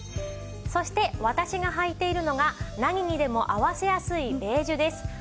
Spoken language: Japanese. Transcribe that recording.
そして私がはいているのが何にでも合わせやすいベージュです。